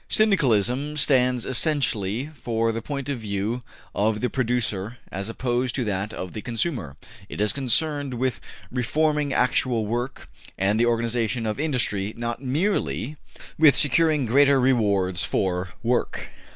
Syndicalism stands essentially for the point of view of the producer as opposed to that of the consumer; it is concerned with reforming actual work, and the organization of industry, not MERELY with securing greater rewards for work.